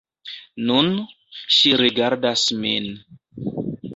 Nun, ŝi rigardas min.